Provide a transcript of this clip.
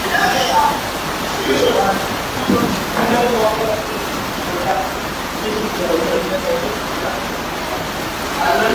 mlango Na ikiwa msikiti umejaa unaweza kuweka